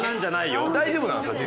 大丈夫なんですか？